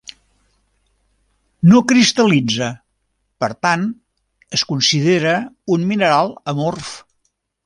No cristal·litza, per tant es considera un mineral amorf.